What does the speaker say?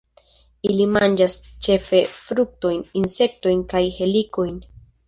Ili manĝas ĉefe fruktojn, insektojn kaj helikojn.